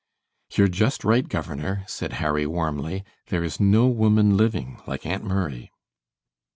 "You're just right, governor," said Harry, warmly. "There is no woman living like Aunt Murray."